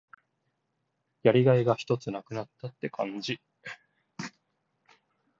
やりがいがひとつ無くなったって感じ。